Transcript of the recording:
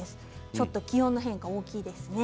ちょっと気温の変化大きいですね。